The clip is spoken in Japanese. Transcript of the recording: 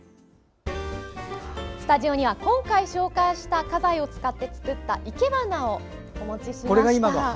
スタジオには今回紹介した花材を使って作った生け花をお持ちしました。